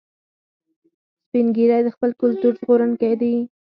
سپین ږیری د خپل کلتور ژغورونکي دي